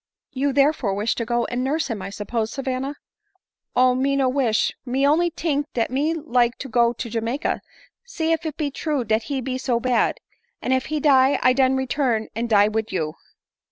" You therefore wish to go and nurse him, I suppose, Savanna ?"" Oh ! me no wish ; me only tink dat me like to go to Jamaica, see if be true dat he be so bad ; and if he die I den return, and die wid you."